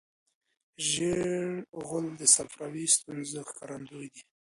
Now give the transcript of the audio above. ژېړ غول د صفراوي ستونزو ښکارندوی دی.